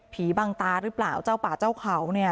บางตาหรือเปล่าเจ้าป่าเจ้าเขาเนี่ย